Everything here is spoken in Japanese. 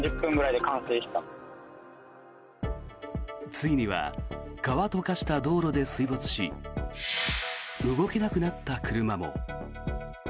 ついには川と化した道路で水没し動けなくなった車も。